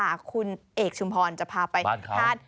ถูกต้องคุณเอกชุมพรจะพาไปภาดบ้านเขา